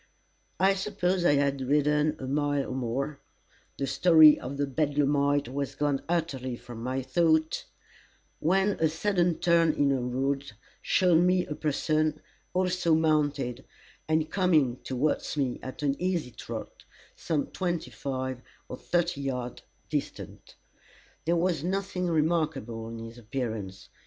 I suppose I had ridden a mile or more the story of the bedlamite was gone utterly from my thought when a sudden turn in the road showed me a person, also mounted, and coming towards me at an easy trot, some twenty five or thirty yards distant. There was nothing remarkable in his appearance.